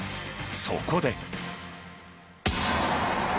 そこで。